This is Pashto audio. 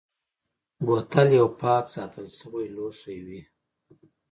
بوتل یو پاک ساتل شوی لوښی وي.